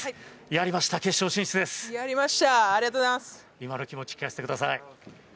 今の気持ち聞かせてください。